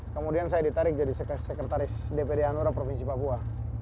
kemudian saya ditarik jadi sekretaris dpd hanura provinsi papua